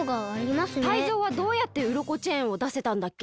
タイゾウはどうやってウロコチェーンをだせたんだっけ？